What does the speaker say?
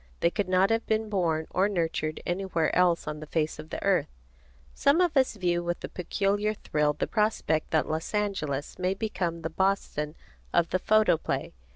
They could not have been born or nurtured anywhere else on the face of the earth. Some of us view with a peculiar thrill the prospect that Los Angeles may become the Boston of the photoplay.